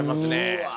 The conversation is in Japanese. うわ！